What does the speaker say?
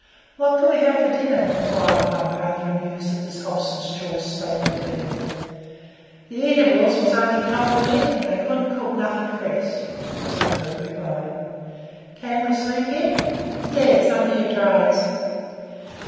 "What could we have for dinner?" inquired one, rather amused at this Hobson's choice state of affairs. "The eatables was only cold meat; and they couldn't cook nothink fresh," was the curt reply. "Can we sleep here?" "Yes under your drays."